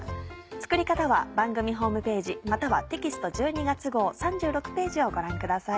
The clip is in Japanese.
作り方は番組ホームページまたはテキスト１２月号３６ページをご覧ください。